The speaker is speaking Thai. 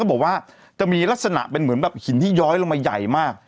บอกว่าจะมีลักษณะเป็นเหมือนแบบหินที่ย้อยลงมาใหญ่มาก